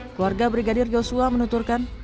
keluarga brigadir yosua menunturkan